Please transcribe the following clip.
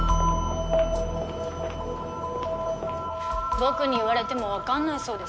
僕に言われてもわかんないそうです。